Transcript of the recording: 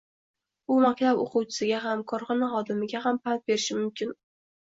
U maktab o‘quvchisiga ham, korxona xodimiga ham pand berishi mumkin